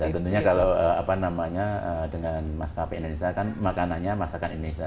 tentunya kalau apa namanya dengan maskapai indonesia kan makanannya masakan indonesia